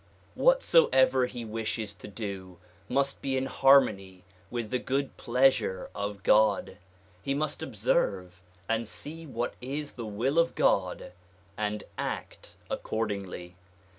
Whatsover he wishes to do must be in harmony with the good pleasure of God. He must observe and see what is the will of God and act accordingly.